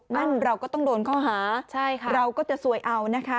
นั่นเราก็ต้องโดนข้อหาใช่ค่ะเราก็จะซวยเอานะคะ